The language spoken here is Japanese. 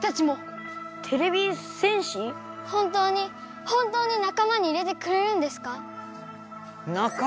本当に本当になかまに入れてくれるんですか？